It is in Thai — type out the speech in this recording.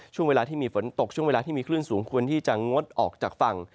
ช่วงเวลาที่มีฝนตกช่วงเวลาที่มีคลื่นสูงควรที่จะงดออกจากฝั่ง